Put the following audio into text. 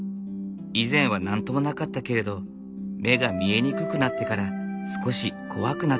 以前は何ともなかったけれど目が見えにくくなってから少し怖くなっていたベニシアさん。